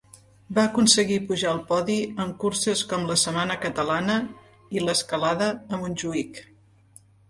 Va aconseguir pujar al podi en curses com la Setmana Catalana i l'Escalada a Montjuïc.